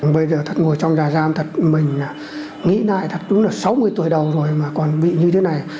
bây giờ thật ngồi trong trại giam thật mình nghĩ lại thật đúng là sáu mươi tuổi đầu rồi mà còn bị như thế này